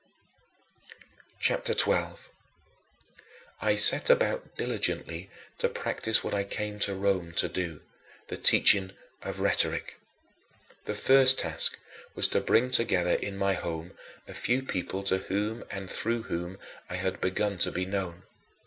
CHAPTER XII 22. I set about diligently to practice what I came to Rome to do the teaching of rhetoric. The first task was to bring together in my home a few people to whom and through whom I had begun to be known.